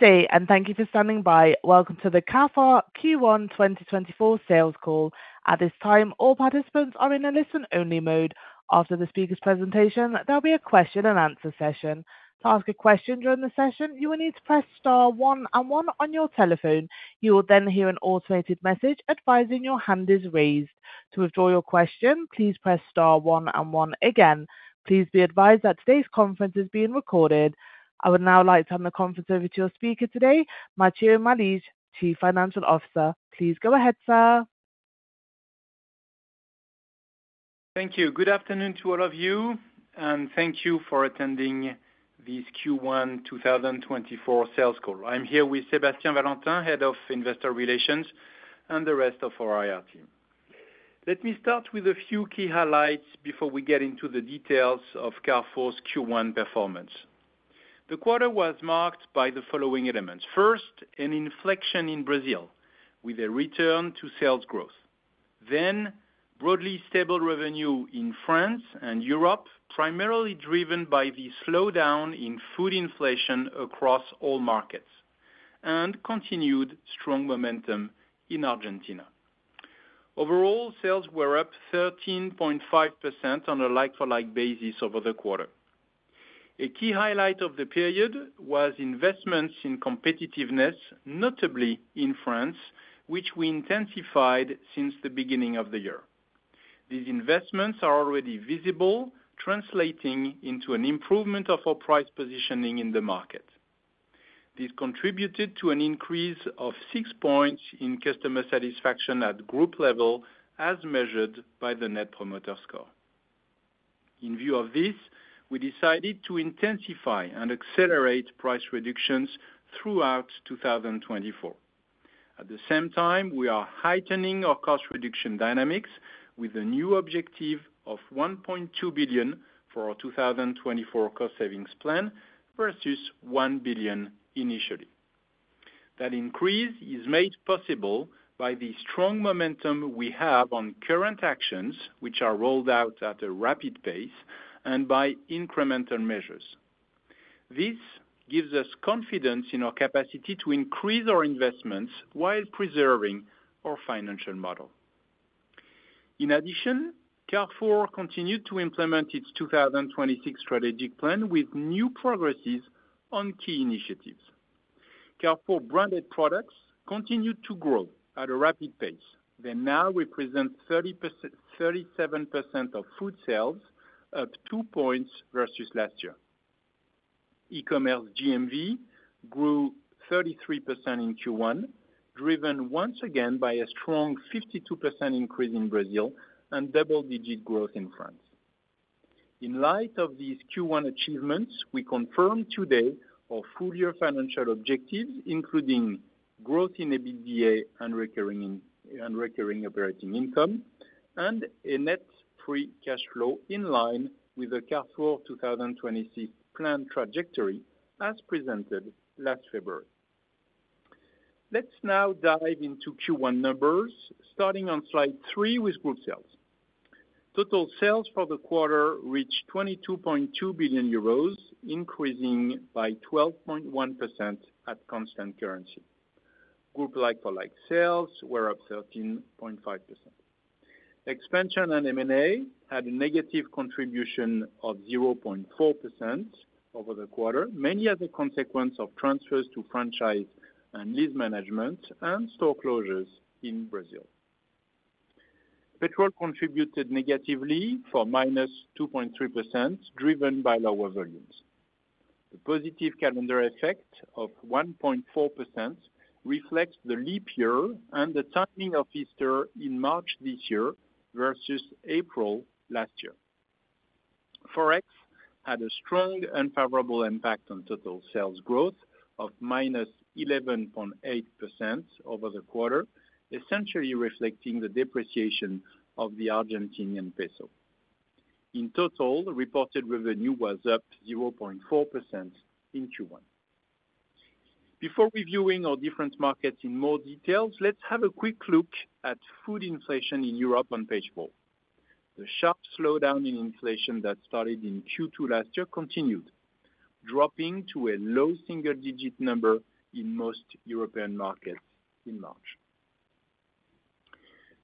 Good day, and thank you for standing by. Welcome to the Carrefour Q1 2024 Sales Call. At this time, all participants are in a listen-only mode. After the speaker's presentation, there'll be a question-and-answer session. To ask a question during the session, you will need to press star one and one on your telephone. You will then hear an automated message advising your hand is raised. To withdraw your question, please press star one and one again. Please be advised that today's conference is being recorded. I would now like to hand the conference over to your speaker today, Matthieu Malige, Chief Financial Officer. Please go ahead, sir. Thank you. Good afternoon to all of you, and thank you for attending this Q1 2024 sales call. I'm here with Sébastien Valentin, Head of Investor Relations, and the rest of our IR team. Let me start with a few key highlights before we get into the details of Carrefour's Q1 performance. The quarter was marked by the following elements: first, an inflection in Brazil with a return to sales growth; then, broadly stable revenue in France and Europe, primarily driven by the slowdown in food inflation across all markets; and continued strong momentum in Argentina. Overall, sales were up 13.5% on a like-for-like basis over the quarter. A key highlight of the period was investments in competitiveness, notably in France, which we intensified since the beginning of the year. These investments are already visible, translating into an improvement of our price positioning in the market. This contributed to an increase of six points in customer satisfaction at group level, as measured by the Net Promoter Score. In view of this, we decided to intensify and accelerate price reductions throughout 2024. At the same time, we are heightening our cost reduction dynamics with a new objective of 1.2 billion for our 2024 cost-savings plan versus 1 billion initially. That increase is made possible by the strong momentum we have on current actions, which are rolled out at a rapid pace, and by incremental measures. This gives us confidence in our capacity to increase our investments while preserving our financial model. In addition, Carrefour continued to implement its 2026 strategic plan with new progresses on key initiatives. Carrefour branded products continued to grow at a rapid pace. They now represent 37% of food sales, up two points versus last year. E-commerce GMV grew 33% in Q1, driven once again by a strong 52% increase in Brazil and double-digit growth in France. In light of these Q1 achievements, we confirm today our full-year financial objectives, including growth in EBITDA and recurring operating income, and a net free cash flow in line with the Carrefour 2026 plan trajectory as presented last February. Let's now dive into Q1 numbers, starting on slide three with group sales. Total sales for the quarter reached 22.2 billion euros, increasing by 12.1% at constant currency. Group like-for-like sales were up 13.5%. Expansion and M&A had a negative contribution of -0.4% over the quarter, mainly as a consequence of transfers to franchise and lease management and store closures in Brazil. Petrol contributed negatively for -2.3%, driven by lower volumes. The positive calendar effect of +1.4% reflects the leap year and the timing of Easter in March this year versus April last year. Forex had a strong unfavorable impact on total sales growth of -11.8% over the quarter, essentially reflecting the depreciation of the Argentinian peso. In total, reported revenue was up +0.4% in Q1. Before reviewing our different markets in more details, let's have a quick look at food inflation in Europe on page four. The sharp slowdown in inflation that started in Q2 last year continued, dropping to a low single-digit number in most European markets in March.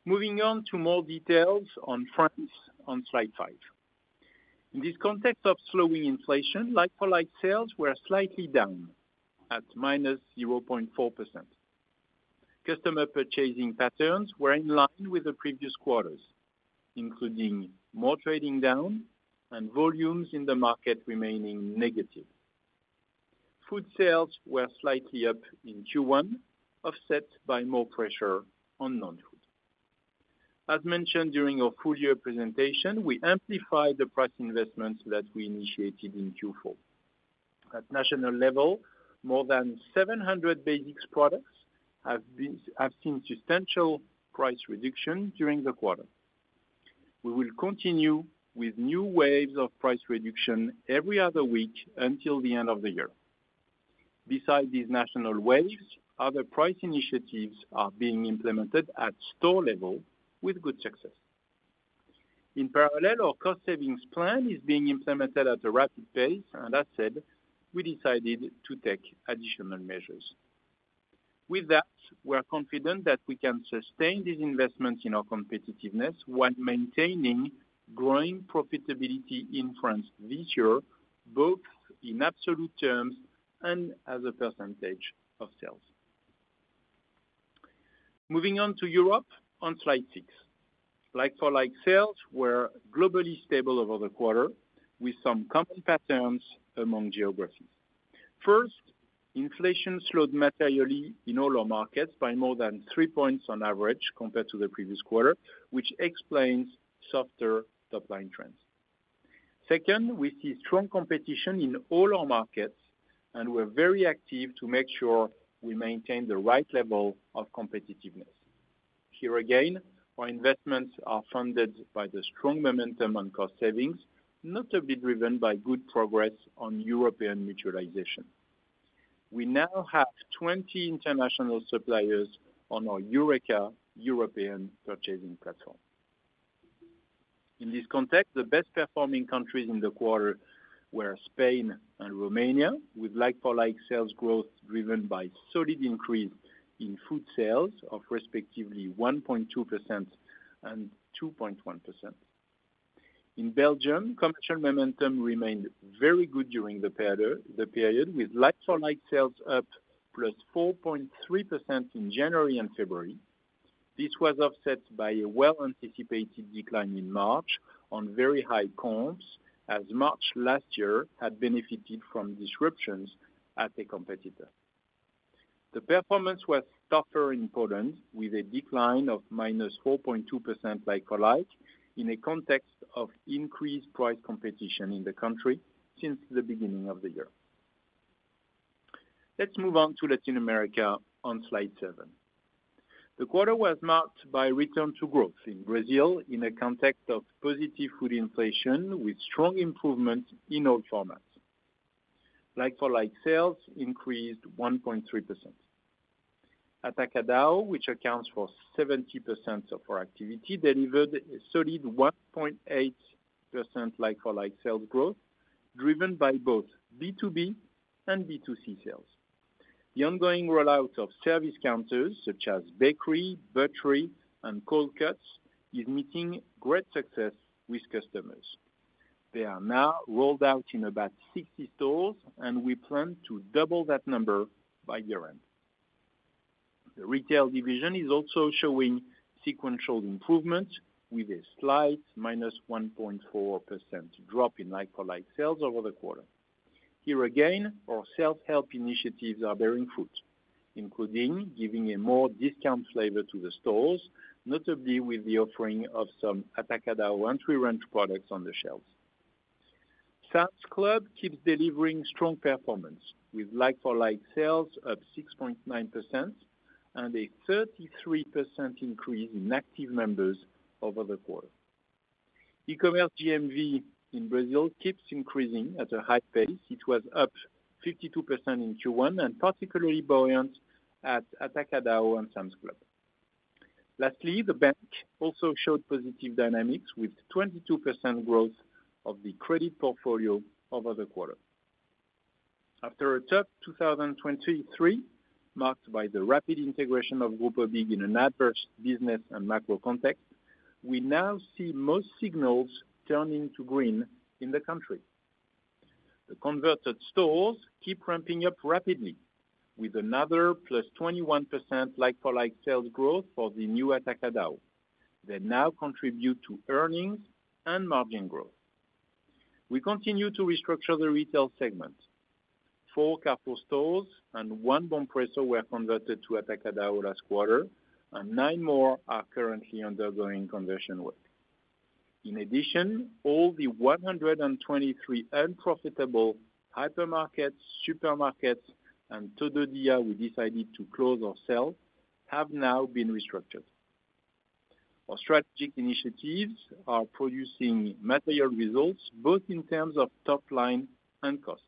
Moving on to more details on France on slide five. In this context of slowing inflation, like-for-like sales were slightly down at -0.4%. Customer purchasing patterns were in line with the previous quarters, including more trading down and volumes in the market remaining negative. Food sales were slightly up in Q1, offset by more pressure on non-food. As mentioned during our full-year presentation, we amplified the price investments that we initiated in Q4. At national level, more than 700 basics products have seen substantial price reduction during the quarter. We will continue with new waves of price reduction every other week until the end of the year. Besides these national waves, other price initiatives are being implemented at store level with good success. In parallel, our cost-savings plan is being implemented at a rapid pace, and as said, we decided to take additional measures. With that, we are confident that we can sustain these investments in our competitiveness while maintaining growing profitability in France this year, both in absolute terms and as a percentage of sales. Moving on to Europe on slide six. Like-for-like sales were globally stable over the quarter, with some common patterns among geographies. First, inflation slowed materially in all our markets by more than three points on average compared to the previous quarter, which explains softer top-line trends. Second, we see strong competition in all our markets, and we're very active to make sure we maintain the right level of competitiveness. Here again, our investments are funded by the strong momentum on cost savings, notably driven by good progress on European mutualization. We now have 20 international suppliers on our Eureka European Purchasing Platform. In this context, the best-performing countries in the quarter were Spain and Romania, with like-for-like sales growth driven by solid increase in food sales of respectively 1.2% and 2.1%. In Belgium, commercial momentum remained very good during the period, with like-for-like sales up +4.3% in January and February. This was offset by a well-anticipated decline in March on very high comps, as March last year had benefited from disruptions at a competitor. The performance was tougher in Poland, with a decline of -4.2% like-for-like in a context of increased price competition in the country since the beginning of the year. Let's move on to Latin America on slide seven. The quarter was marked by return to growth in Brazil in a context of positive food inflation, with strong improvements in all formats. Like-for-like sales increased 1.3%. Atacadão, which accounts for 70% of our activity, delivered a solid 1.8% like-for-like sales growth, driven by both B2B and B2C sales. The ongoing rollout of service counters, such as bakery, butchery, and cold cuts, is meeting great success with customers. They are now rolled out in about 60 stores, and we plan to double that number by year-end. The retail division is also showing sequential improvements, with a slight -1.4% drop in like-for-like sales over the quarter. Here again, our self-help initiatives are bearing fruit, including giving a more discount flavor to the stores, notably with the offering of some Atacadão entry-range products on the shelves. Sam's Club keeps delivering strong performance, with like-for-like sales up 6.9% and a 33% increase in active members over the quarter. E-commerce GMV in Brazil keeps increasing at a high pace. It was up 52% in Q1 and particularly buoyant at Atacadão and Sam's Club. Lastly, the bank also showed positive dynamics, with 22% growth of the credit portfolio over the quarter. After a tough 2023 marked by the rapid integration of Grupo BIG in an adverse business and macro context, we now see most signals turning to green in the country. The converted stores keep ramping up rapidly, with another +21% like-for-like sales growth for the new Atacadão. They now contribute to earnings and margin growth. We continue to restructure the retail segment. Four Carrefour stores and one Bompreço were converted to Atacadão last quarter, and nine more are currently undergoing conversion work. In addition, all the 123 unprofitable hypermarkets, supermarkets, and Todo Dia we decided to close or sell have now been restructured. Our strategic initiatives are producing material results, both in terms of top-line and cost.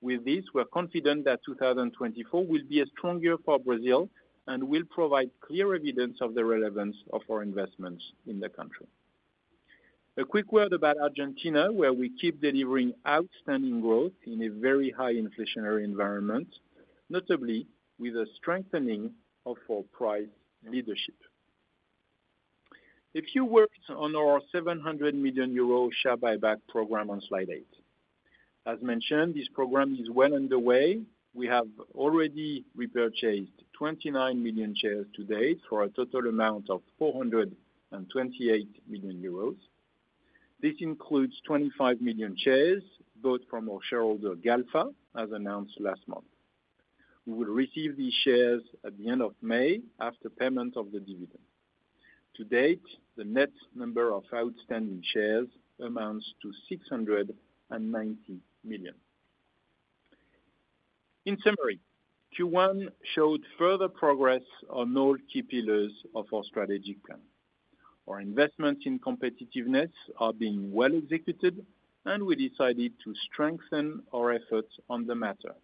With this, we're confident that 2024 will be a strong year for Brazil and will provide clear evidence of the relevance of our investments in the country. A quick word about Argentina, where we keep delivering outstanding growth in a very high inflationary environment, notably with a strengthening of our price leadership. A few words on our 700 million euro share buyback program on slide eight. As mentioned, this program is well underway. We have already repurchased 29 million shares to date for a total amount of 428 million euros. This includes 25 million shares, both from our shareholder Galfa, as announced last month. We will receive these shares at the end of May after payment of the dividend. To date, the net number of outstanding shares amounts to 690 million. In summary, Q1 showed further progress on all key pillars of our strategic plan. Our investments in competitiveness are being well executed, and we decided to strengthen our efforts on the matter,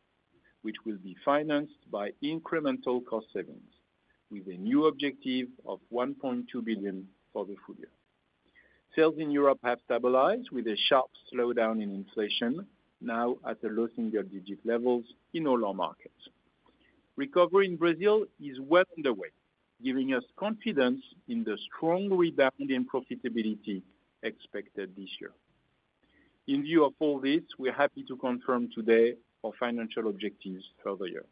which will be financed by incremental cost savings, with a new objective of 1.2 billion for the full-year. Sales in Europe have stabilized with a sharp slowdown in inflation, now at low single-digit levels in all our markets. Recovery in Brazil is well underway, giving us confidence in the strong rebound in profitability expected this year. In view of all this, we're happy to confirm today our financial objectives for the year.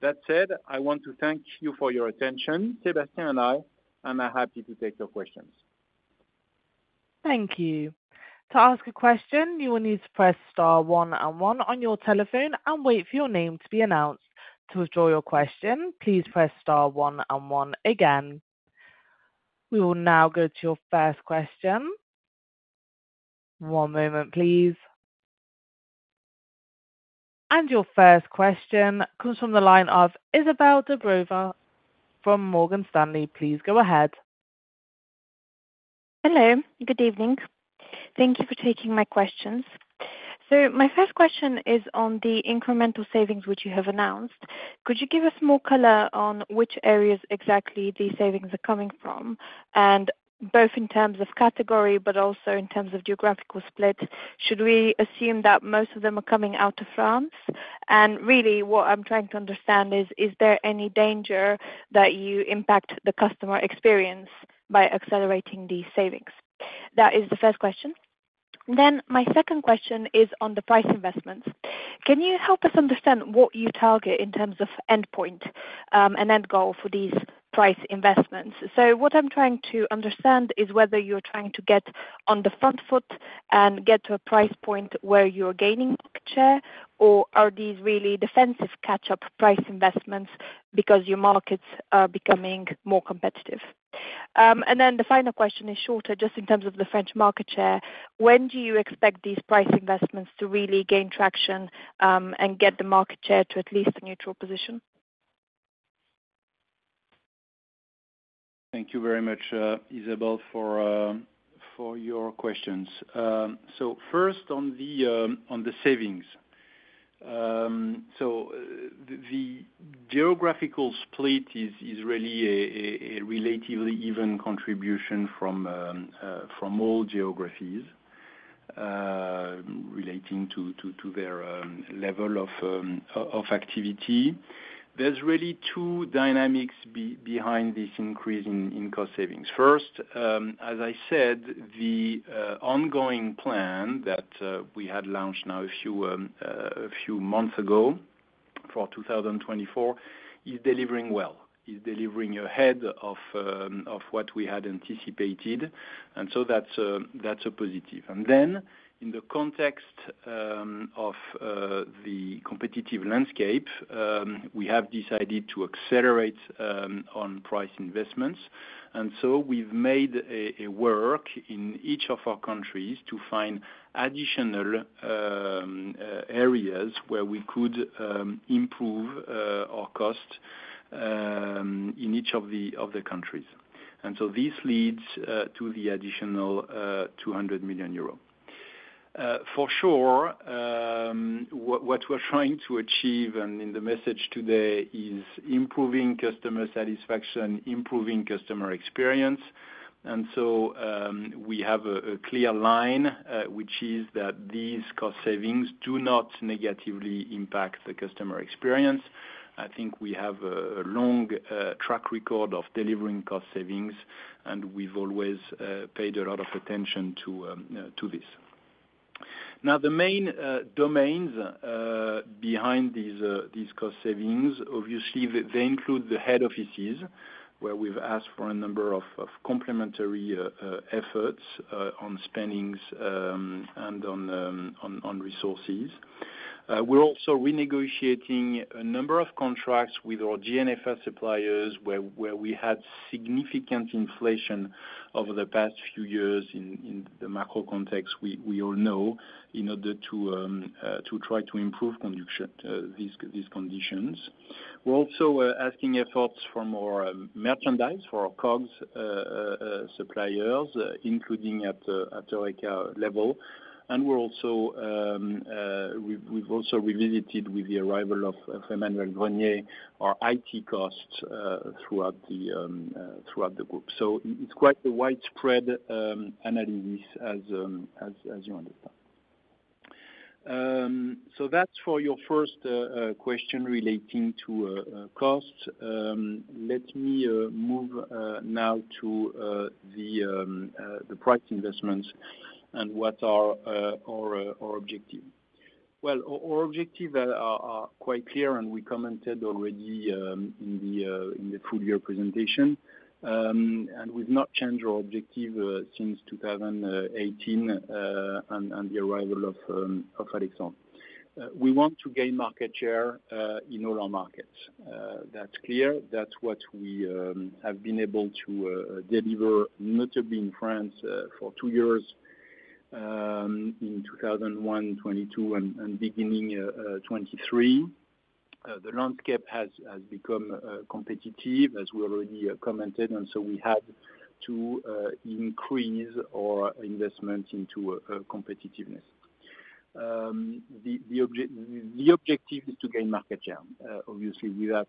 That said, I want to thank you for your attention, Sébastien and I, and I'm happy to take your questions. Thank you. To ask a question, you will need to press star one and one on your telephone and wait for your name to be announced. To withdraw your question, please press star one and one again. We will now go to your first question. One moment, please. And your first question comes from the line of Izabel Dobreva from Morgan Stanley. Please go ahead. Hello. Good evening. Thank you for taking my questions. So my first question is on the incremental savings which you have announced. Could you give us more color on which areas exactly these savings are coming from, and both in terms of category but also in terms of geographical split? Should we assume that most of them are coming out of France? And really, what I'm trying to understand is, is there any danger that you impact the customer experience by accelerating these savings? That is the first question. Then my second question is on the price investments. Can you help us understand what you target in terms of endpoint and end goal for these price investments? So what I'm trying to understand is whether you're trying to get on the front foot and get to a price point where you're gaining share, or are these really defensive catch-up price investments because your markets are becoming more competitive? And then the final question is shorter, just in terms of the French market share. When do you expect these price investments to really gain traction and get the market share to at least a neutral position? Thank you very much, Izabel, for your questions. So first, on the savings. So the geographical split is really a relatively even contribution from all geographies, relating to their level of activity. There's really two dynamics behind this increase in cost savings. First, as I said, the ongoing plan that we had launched now a few months ago for 2024 is delivering well. It's delivering ahead of what we had anticipated, and so that's a positive. And then, in the context of the competitive landscape, we have decided to accelerate on price investments. We've made a work in each of our countries to find additional areas where we could improve our costs in each of the countries. This leads to the additional 200 million euro. For sure, what we're trying to achieve in the message today is improving customer satisfaction, improving customer experience. We have a clear line, which is that these cost savings do not negatively impact the customer experience. I think we have a long track record of delivering cost savings, and we've always paid a lot of attention to this. Now, the main domains behind these cost savings, obviously, they include the head offices, where we've asked for a number of complementary efforts on spendings and on resources. We're also renegotiating a number of contracts with our GNFR suppliers, where we had significant inflation over the past few years in the macro context, we all know, in order to try to improve these conditions. We're also asking efforts from our merchandise, from our COGS suppliers, including at Eureka level. And we've also revisited, with the arrival of Emmanuel Grenier, our IT costs throughout the group. So it's quite a widespread analysis, as you understand. So that's for your first question relating to costs. Let me move now to the price investments and what are our objectives. Well, our objectives are quite clear, and we commented already in the full-year presentation. And we've not changed our objective since 2018 and the arrival of Alexandre. We want to gain market share in all our markets. That's clear. That's what we have been able to deliver, notably in France for two years, in 2021, 2022, and beginning 2023. The landscape has become competitive, as we already commented, and so we had to increase our investment into competitiveness. The objective is to gain market share, obviously, without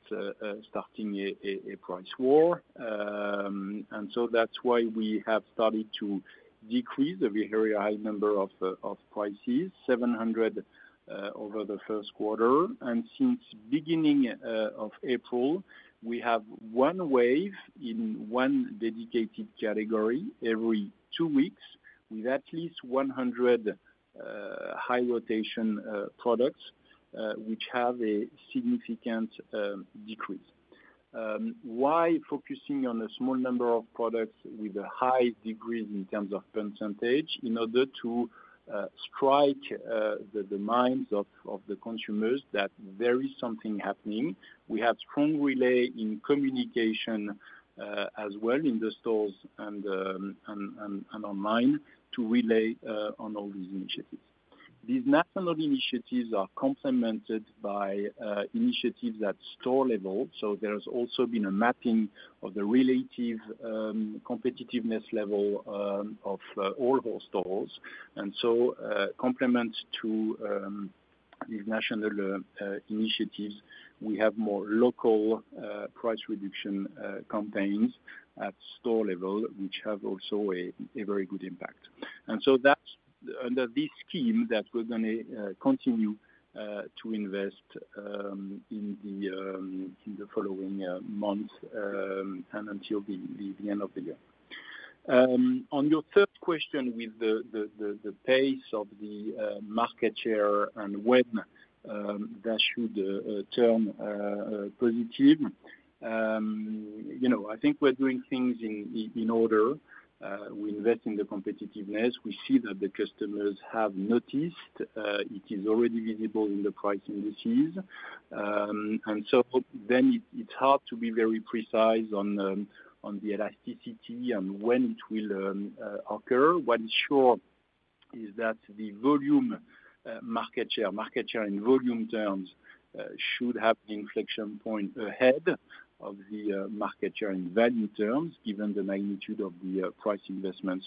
starting a price war. And so that's why we have started to decrease a very high number of prices, 700 over the first quarter. And since beginning of April, we have one wave in one dedicated category every two weeks with at least 100 high-rotation products, which have a significant decrease. Why focusing on a small number of products with a high degree in terms of percentage? In order to strike the minds of the consumers that there is something happening. We have strong relay in communication as well in the stores and online to relay on all these initiatives. These national initiatives are complemented by initiatives at store level. So there has also been a mapping of the relative competitiveness level of all our stores. And so complements to these national initiatives, we have more local price reduction campaigns at store level, which have also a very good impact. And so that's under this scheme that we're going to continue to invest in the following months and until the end of the year. On your third question with the pace of the market share and when that should turn positive, I think we're doing things in order. We invest in the competitiveness. We see that the customers have noticed. It is already visible in the price indices. And so then it's hard to be very precise on the elasticity and when it will occur. What is sure is that the volume market share, market share in volume terms, should have an inflection point ahead of the market share in value terms, given the magnitude of the price investments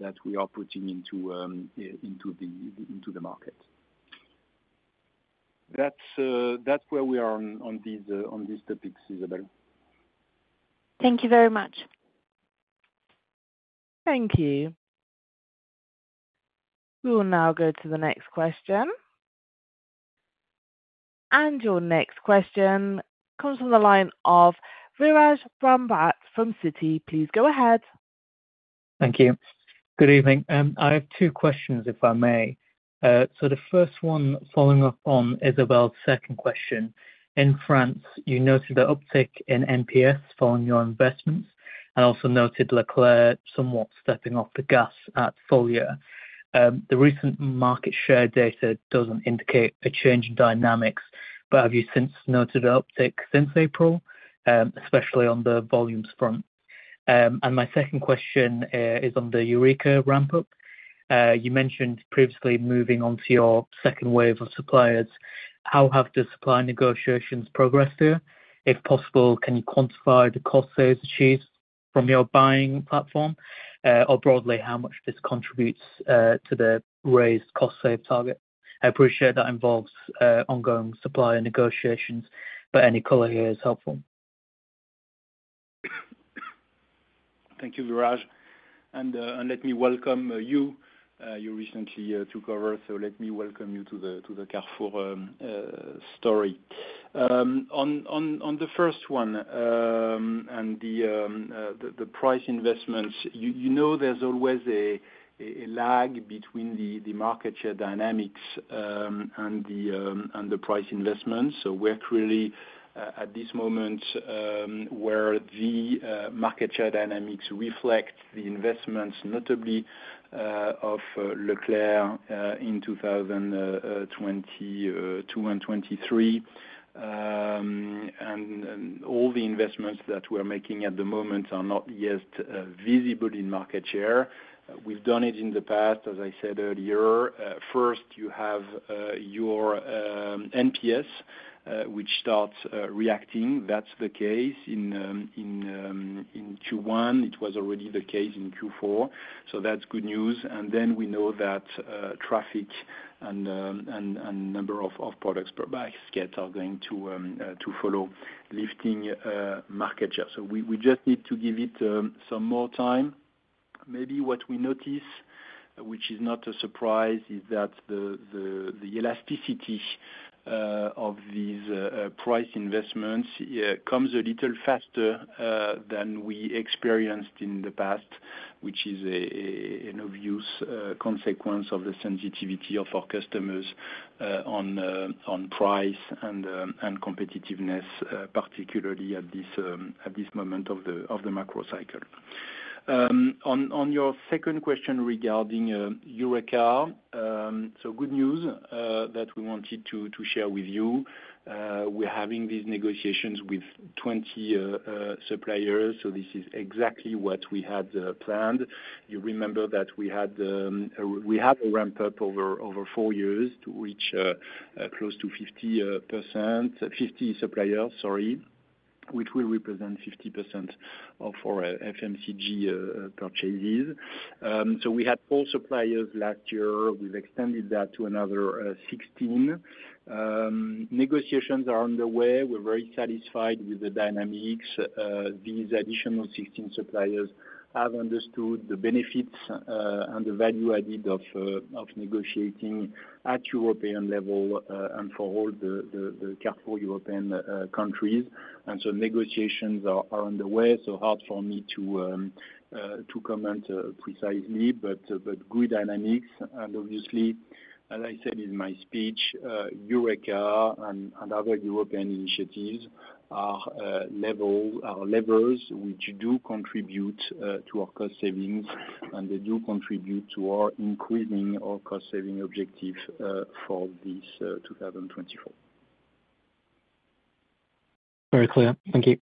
that we are putting into the market. That's where we are on these topics, Izabel. Thank you very much. Thank you. We will now go to the next question. And your next question comes from the line of Viraj Brahmbhatt from Citi. Please go ahead. Thank you. Good evening. And, I have two questions, if I may. So the first one following up on Izabel's second question. In France, you noted an uptick in NPS following your investments and also noted Leclerc somewhat stepping off the gas at full-year. The recent market share data doesn't indicate a change in dynamics, but have you since noted an uptick since April, especially on the volumes front? And my second question is on the Eureka ramp-up. You mentioned previously moving onto your second wave of suppliers. How have the supply negotiations progressed here? If possible, can you quantify the cost saves achieved from your buying platform? Or broadly, how much this contributes to the raised cost save target? I appreciate that involves ongoing supplier negotiations, but any color here is helpful. Thank you, Viraj. And let me welcome you. You recently took over, so let me welcome you to the Carrefour story. On the first one and the price investments, you know there's always a lag between the market share dynamics and the price investments. So we're clearly at this moment where the market share dynamics reflect the investments, notably of Leclerc in 2022 and 2023. And all the investments that we're making at the moment are not yet visible in market share. We've done it in the past, as I said earlier. First, you have your NPS, which starts reacting. That's the case in Q1. It was already the case in Q4. So that's good news. And then we know that traffic and number of products per basket are going to follow, lifting market share. So we just need to give it some more time. Maybe what we notice, which is not a surprise, is that the elasticity of these price investments comes a little faster than we experienced in the past, which is an obvious consequence of the sensitivity of our customers on price and competitiveness, particularly at this moment of the macro cycle. On your second question regarding Eureka, so good news that we wanted to share with you. We're having these negotiations with 20 suppliers, so this is exactly what we had planned. You remember that we had a ramp-up over four years to reach close to 50%, 50 suppliers, sorry, which will represent 50% of our FMCG purchases. So we had four suppliers last year. We've extended that to another 16. Negotiations are underway. We're very satisfied with the dynamics. These additional 16 suppliers have understood the benefits and the value added of negotiating at European level and for all the Carrefour European countries. And so negotiations are underway. So hard for me to comment precisely, but good dynamics. And obviously, as I said in my speech, Eureka and other European initiatives are levers, which do contribute to our cost savings, and they do contribute to our increasing cost saving objective for this 2024. Very clear. Thank you.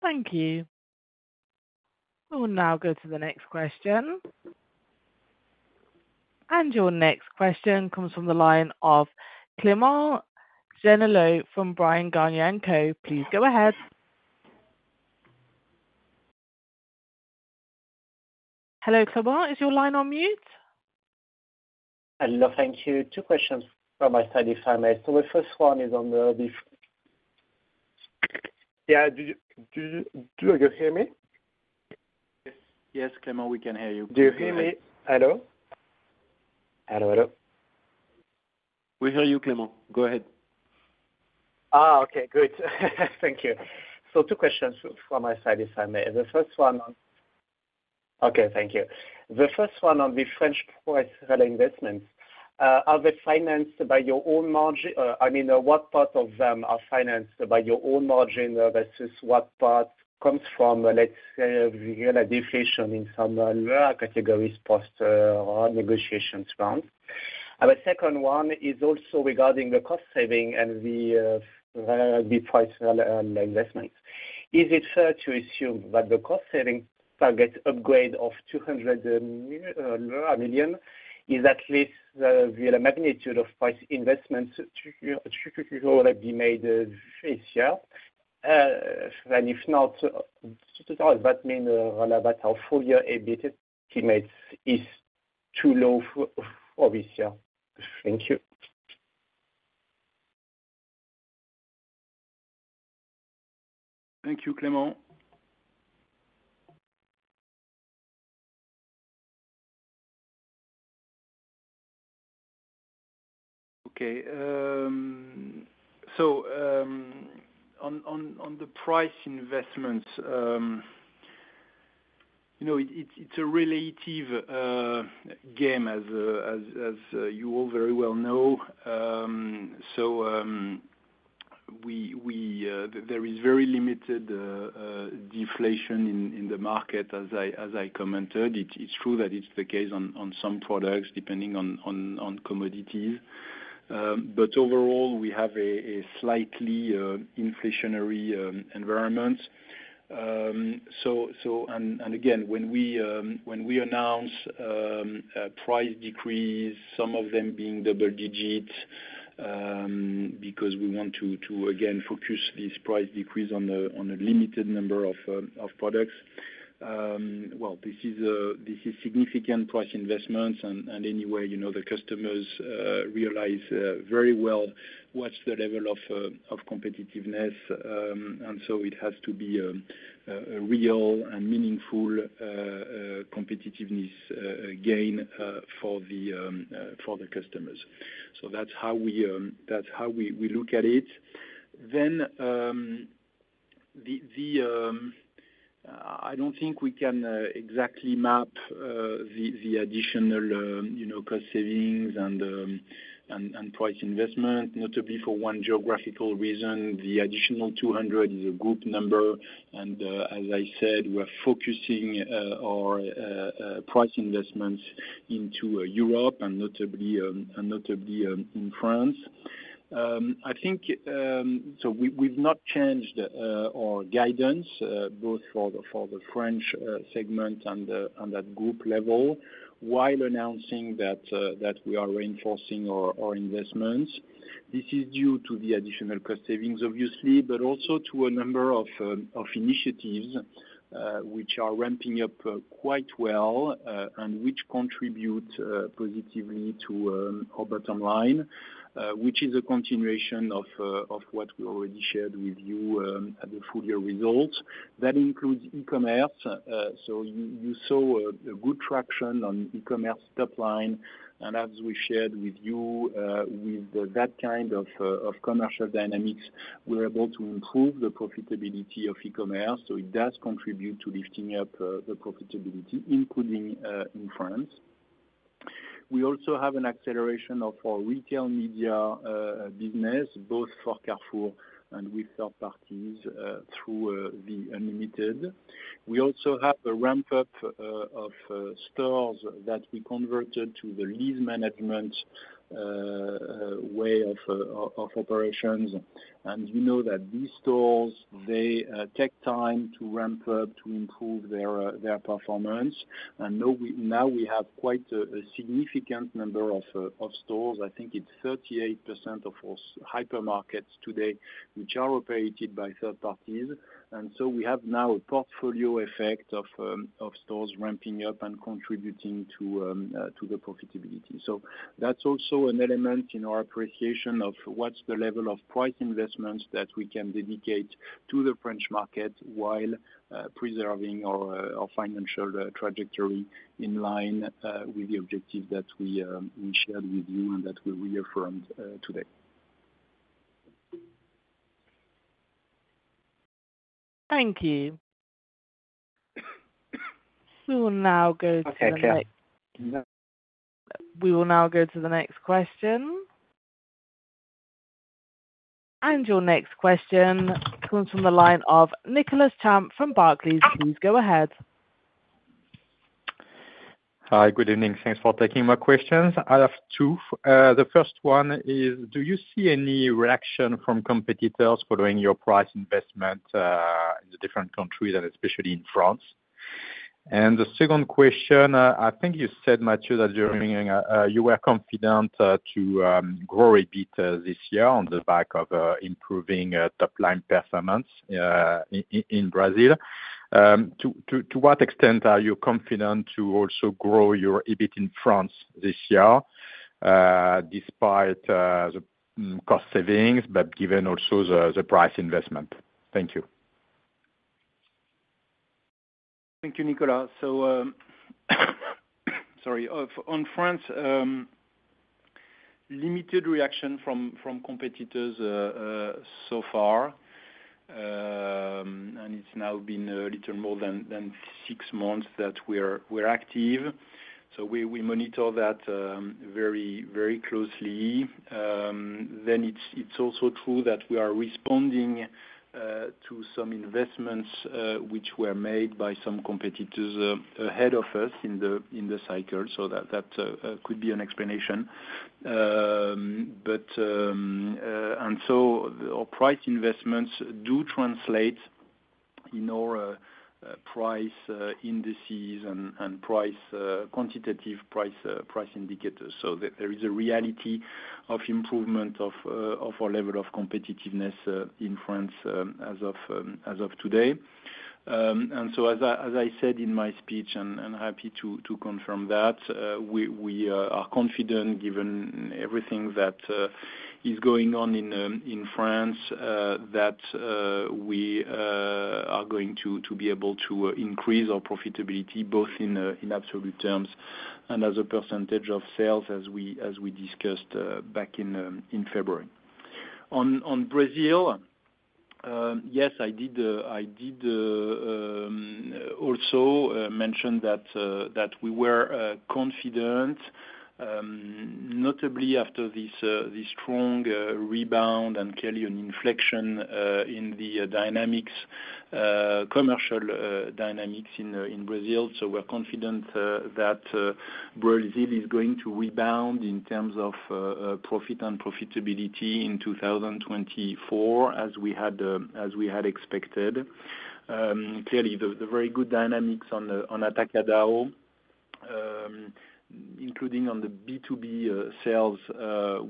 Thank you. We will now go to the next question. And your next question comes from the line of Clément Genelot from Bryan Garnier & Co. Please go ahead. Hello, Clément. Is your line on mute? Hello. Thank you. Two questions from my side. So the first one is on the [inaudible] Do you hear me? Yes. Yes, Clément. We can hear you. Do you hear me? Hello? Hello. Hello. We hear you, Clément. Go ahead. Oh, Okay. Good. Thank you. So two questions from my side, if I may. Okay, thank you. The first one on the French price relay investments. Are they financed by your own margin? I mean, what part of them are financed by your own margin versus what part comes from, let's say, a real deflation in some lower categories post negotiations round? And the second one is also regarding the cost saving and the price relay investments. Is it fair to assume that the cost saving target upgrade of 200 million is at least the magnitude of price investments to be made this year? And if not, does that mean that our full-year estimates is too low for this year? Thank you. Thank you, Clément. Okay. So on the price investments, it's a relative game, as you all very well know. So there is very limited deflation in the market, as I commented. It's true that it's the case on some products, depending on commodities. But overall, we have a slightly inflationary environment. And again, when we announce price decrease, some of them being double digits because we want to, again, focus these price decrease on a limited number of products. Well, this is significant price investments. And anyway, the customers realize very well what's the level of competitiveness. So it has to be a real and meaningful competitiveness gain for the customers. So that's how we look at it. I don't think we can exactly map the additional cost savings and price investment, notably for one geographical reason. The additional 200 is a group number. And as I said, we're focusing our price investments into Europe and notably in France. So we've not changed our guidance, both for the French segment and at group level, while announcing that we are reinforcing our investments. This is due to the additional cost savings, obviously, but also to a number of initiatives which are ramping up quite well and which contribute positively to our bottom line, which is a continuation of what we already shared with you at the full-year results. That includes e-commerce. So you saw a good traction on e-commerce topline. As we shared with you, with that kind of commercial dynamics, we're able to improve the profitability of e-commerce. It does contribute to lifting up the profitability, including in France. We also have an acceleration of our retail media business, both for Carrefour and with third parties through the Unlimitail. We also have a ramp-up of stores that we converted to the lease management way of operations. You know that these stores, they take time to ramp up to improve their performance. Now we have quite a significant number of stores. I think it's 38% of our hypermarkets today, which are operated by third parties. So we have now a portfolio effect of stores ramping up and contributing to the profitability. So that's also an element in our appreciation of what's the level of price investments that we can dedicate to the French market while preserving our financial trajectory in line with the objective that we shared with you and that we reaffirmed today. Thank you. We will now go to the next question. And your next question comes from the line of Nicolas Champ from Barclays. Please go ahead. Hi. Good evening. Thanks for taking my questions. I have two. The first one is, do you see any reaction from competitors following your price investment in the different countries and especially in France? And the second question, I think you said, Matthieu, that you were confident to grow EBIT this year on the back of improving top-line performance in Brazil. To what extent are you confident to also grow your EBIT in France this year despite the cost savings, but given also the price investment? Thank you. Thank you, Nicolas. So sorry. On France, limited reaction from competitors so far. It's now been a little more than six months that we're active. So we monitor that very, very closely. Then it's also true that we are responding to some investments which were made by some competitors ahead of us in the cycle. So that could be an explanation. And so our price investments do translate in our price indices and quantitative price indicators. So there is a reality of improvement of our level of competitiveness in France as of today. So as I said in my speech, and happy to confirm that, we are confident, given everything that is going on in France, that we are going to be able to increase our profitability both in absolute terms and as a percentage of sales, as we discussed back in February. On Brazil, yes, I did also mention that we were confident, notably after this strong rebound and clearly an inflection in the commercial dynamics in Brazil. So we're confident that Brazil is going to rebound in terms of profit and profitability in 2024 as we had expected. Clearly, the very good dynamics on Atacadão, including on the B2B sales,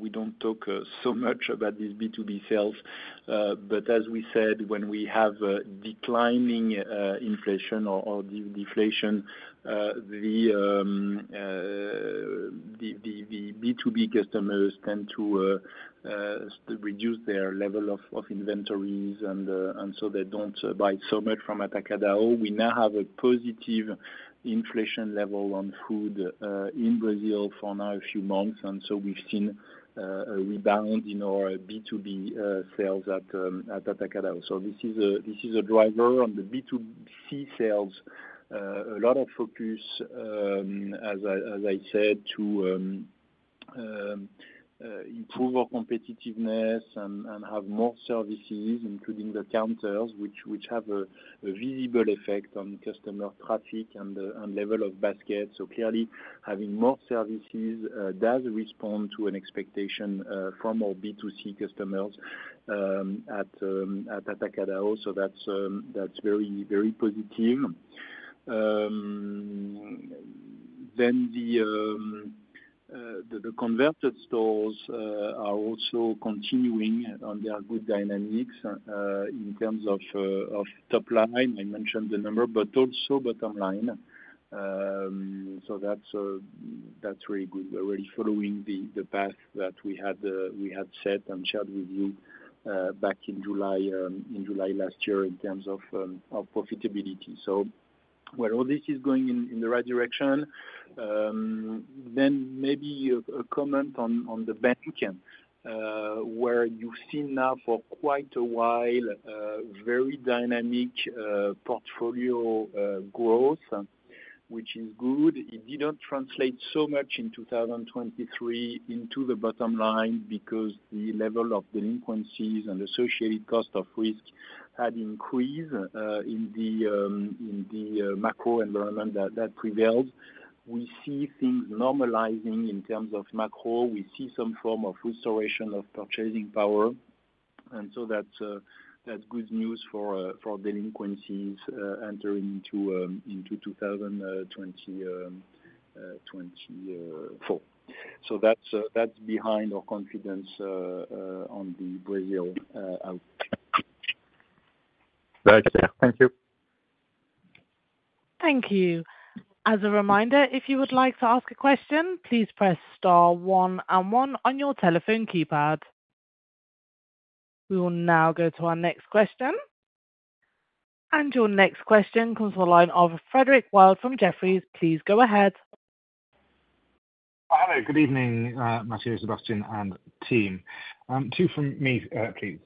we don't talk so much about these B2B sales. But as we said, when we have declining inflation or deflation, the B2B customers tend to reduce their level of inventories, and so they don't buy so much from Atacadão. We now have a positive inflation level on food in Brazil for now a few months. So we've seen a rebound in our B2B sales at Atacadão. So this is a driver. On the B2C sales, a lot of focus, as I said, to improve our competitiveness and have more services, including the counters, which have a visible effect on customer traffic and level of baskets. So clearly, having more services does respond to an expectation from our B2C customers at Atacadão. So that's very, very positive. Then the converted stores are also continuing on their good dynamics in terms of top line. I mentioned the number, but also bottom line. So that's really good. We're really following the path that we had set and shared with you back in July last year in terms of profitability. So while all this is going in the right direction, then maybe a comment on the bank where you've seen now for quite a while very dynamic portfolio growth, which is good. It didn't translate so much in 2023 into the bottom line because the level of delinquencies and associated cost of risk had increased in the macro environment that prevailed. We see things normalizing in terms of macro. We see some form of restoration of purchasing power. And so that's good news for delinquencies entering into 2024. So that's behind our confidence on the Brazil outlook. Very clear. Thank you. Thank you. As a reminder, if you would like to ask a question, please press star one and one on your telephone keypad. We will now go to our next question. And your next question comes from the line of Frederick Wild from Jefferies. Please go ahead. Hello. Good evening, Matthieu, Sébastien, and team. Two from me, please.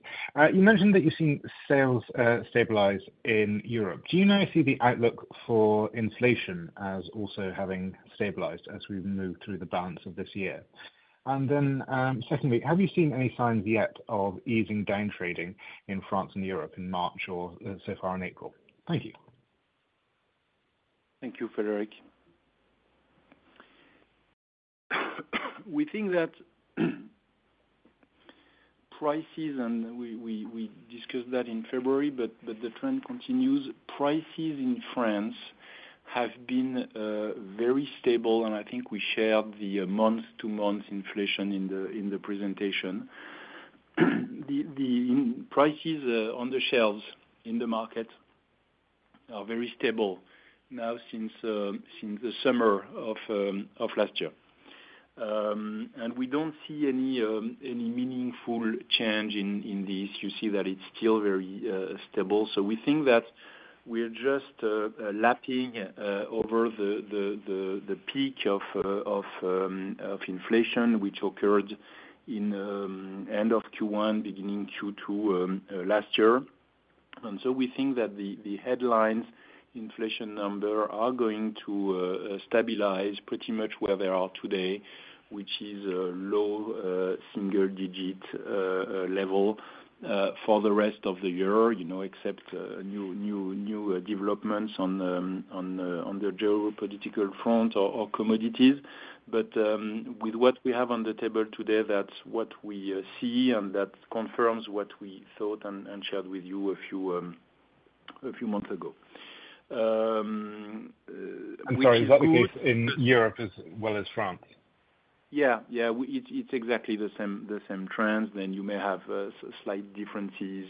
You mentioned that you've seen sales stabilize in Europe. Do you now see the outlook for inflation as also having stabilized as we've moved through the balance of this year? And then secondly, have you seen any signs yet of easing downtrading in France and Europe in March or so far in April? Thank you. Thank you, Frederick. We think that prices and we discussed that in February, but the trend continues. Prices in France have been very stable, and I think we shared the month-to-month inflation in the presentation. Prices on the shelves in the market are very stable now since the summer of last year. And we don't see any meaningful change in this. You see that it's still very stable. So we think that we're just lapping over the peak of inflation, which occurred in end of Q1, beginning Q2 last year. And so we think that the headline inflation numbers are going to stabilize pretty much where they are today, which is a low single-digit level for the rest of the year, except new developments on the geopolitical front or commodities. But with what we have on the table today, that's what we see, and that confirms what we thought and shared with you a few months ago. I'm sorry. Is that the case in Europe as well as France? Yeah. Yeah. It's exactly the same trends. Then you may have slight differences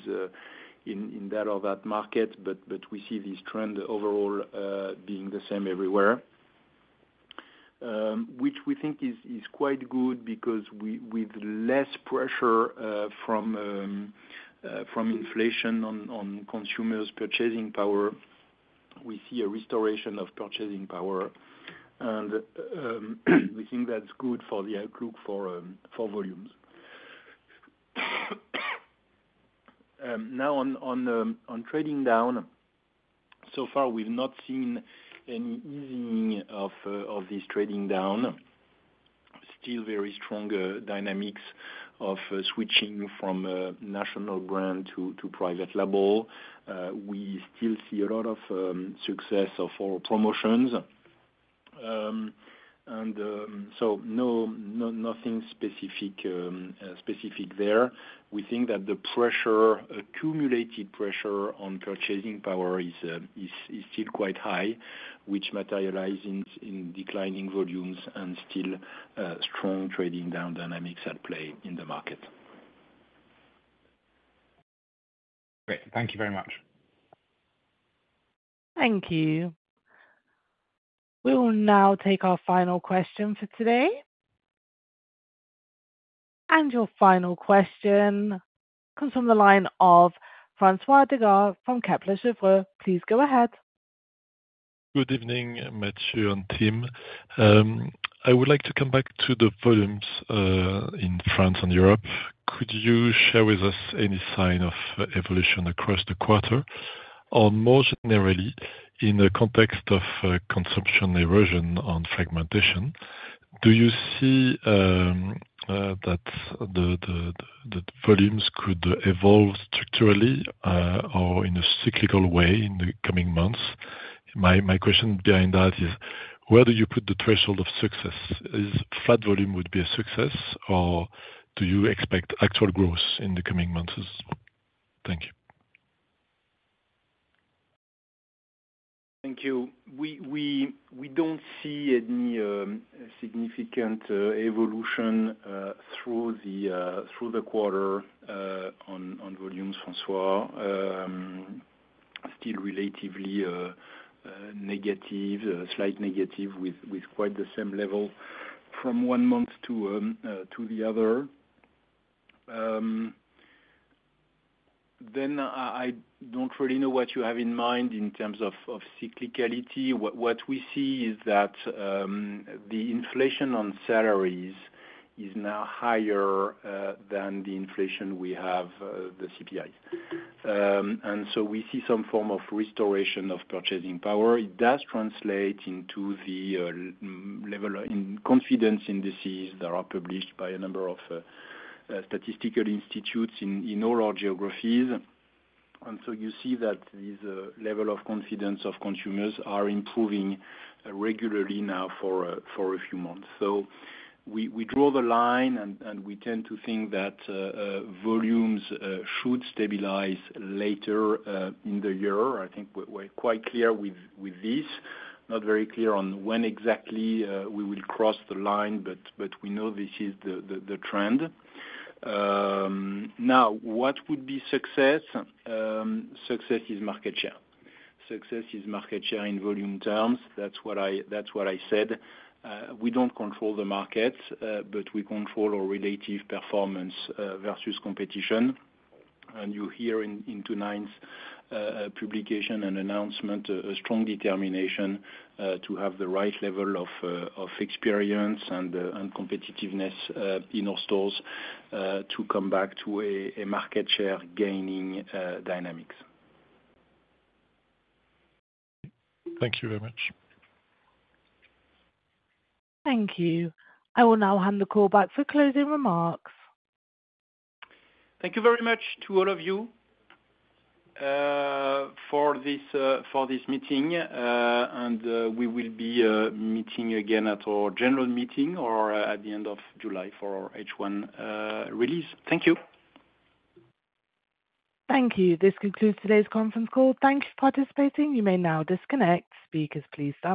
in that or that market, but we see this trend overall being the same everywhere, which we think is quite good because with less pressure from inflation on consumers' purchasing power, we see a restoration of purchasing power. And we think that's good for the outlook for volumes. Now, on trading down, so far, we've not seen any easing of this trading down. Still very strong dynamics of switching from national brand to private label. We still see a lot of success of our promotions. And so nothing specific there. We think that the accumulated pressure on purchasing power is still quite high, which materializes in declining volumes and still strong trading down dynamics at play in the market. Great. Thank you very much. Thank you. We will now take our final question for today. Your final question comes from the line of François Digard from Kepler Cheuvreux. Please go ahead. Good evening, Matthieu and team. I would like to come back to the volumes in France and Europe. Could you share with us any sign of evolution across the quarter or more generally in the context of consumption erosion and fragmentation? Do you see that the volumes could evolve structurally or in a cyclical way in the coming months? My question behind that is, where do you put the threshold of success? Is flat volume would be a success, or do you expect actual growth in the coming months? Thank you. Thank you. We don't see any significant evolution through the through the quarter on volumes, François. Still relatively negative, slight negative with quite the same level from one month to the other. Then I don't really know what you have in mind in terms of cyclicality. What we see is that the inflation on salaries is now higher than the inflation we have the CPIs. And so we see some form of restoration of purchasing power. It does translate into the confidence indices that are published by a number of statistical institutes in all our geographies. And so you see that this level of confidence of consumers are improving regularly now for a few months. So we draw the line, and we tend to think that volumes should stabilize later in the year. I think we're quite clear with this, not very clear on when exactly we will cross the line, but we know this is the trend. Now, what would be success? Success is market share. Success is market share in volume terms. That's what I said. We don't control the markets, but we control our relative performance versus competition. And you hear in tonight's publication and announcement a strong determination to have the right level of experience and competitiveness in our stores to come back to a market share gaining dynamics. Thank you very much. Thank you. I will now hand the call back for closing remarks. Thank you very much to all of you for this meeting. And we will be meeting again at our general meeting or at the end of July for our H1 release. Thank you. Thank you. This concludes today's conference call. Thank you for participating. You may now disconnect. Speakers, please.